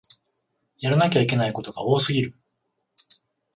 やらなきゃいけないことが多すぎる